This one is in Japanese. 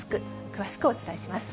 詳しくお伝えします。